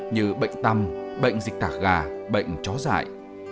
như bệnh tăm bệnh dịch tả gà bệnh chó giải